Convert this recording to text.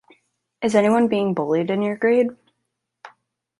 Is anyone being bullied in your grade?